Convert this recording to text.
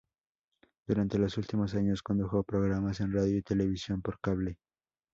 Durante los últimos años condujo programas en radio y televisión por cable.